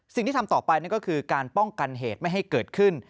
สิ่งที่ทำต่อไปนั่นก็คือการป้องกันเหตุไม่ให้เกิดขึ้น